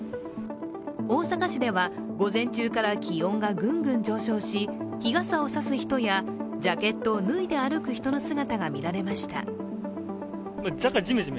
大阪市では、午前中から気温がぐんぐん上昇し日傘を差す人や、ジャケットを脱いで歩く人の姿が見られました。